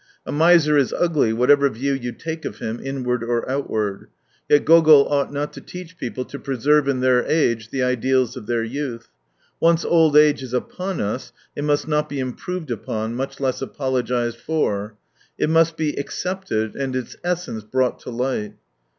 A miser is ugly, whatever view you take of him — 'inward or outward. Yet Gogol ought not to teach people to preserve in their age the ideals of their youth. Once old age is upon us — it must not be improved upon, much less apologised for. It must be accepted, and its essence brought to light.